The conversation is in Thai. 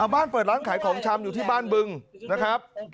บ้านเปิดร้านขายของชำอยู่ที่บ้านบึงนะครับ